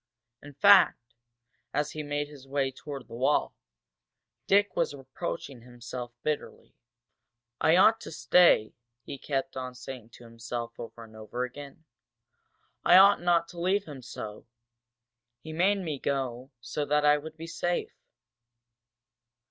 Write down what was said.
In fact, as he made his way toward the wall, Dick was reproaching himself bitterly. "I ought to stay!" he kept on saying to himself over and over again. "I ought not to leave him so! He made me go so that I would be safe!"